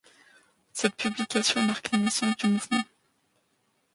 Cette publication marque la naissance du mouvement.